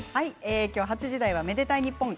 今日８時台は「愛でたいｎｉｐｐｏｎ」